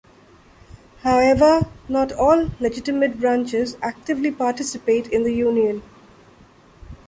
However, not all legitimate branches actively participate in the union.